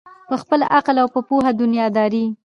په خپل عقل او په پوهه دنیادار یې